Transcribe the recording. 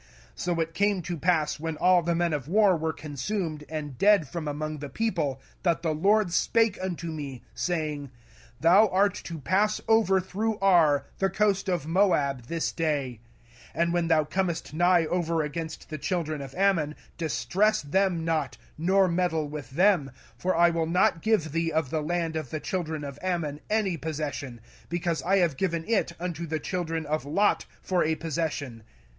05:002:016 So it came to pass, when all the men of war were consumed and dead from among the people, 05:002:017 That the LORD spake unto me, saying, 05:002:018 Thou art to pass over through Ar, the coast of Moab, this day: 05:002:019 And when thou comest nigh over against the children of Ammon, distress them not, nor meddle with them: for I will not give thee of the land of the children of Ammon any possession; because I have given it unto the children of Lot for a possession.